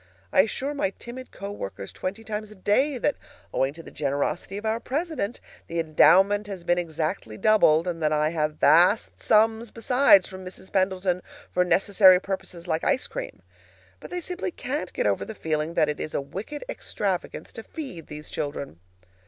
I assure my timid co workers twenty times a day that, owing to the generosity of our president, the endowment has been exactly doubled, and that I have vast sums besides from Mrs. Pendleton for necessary purposes like ice cream. But they simply CAN'T get over the feeling that it is a wicked extravagance to feed these children.